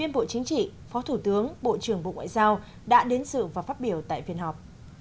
bộ chính trị phó thủ tướng bộ trưởng bộ ngoại giao đã đến sự và phát biểu tại phiên họp